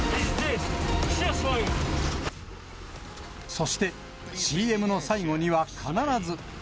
そしてＣＭの最後には必ず。